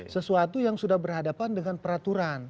sesuatu yang sudah berhadapan dengan peraturan